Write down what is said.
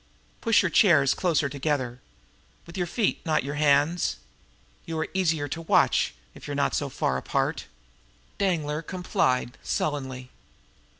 Push your chairs closer together with your feet, not your hands! You are easier to watch if you are not too far apart." Dangler complied sullenly.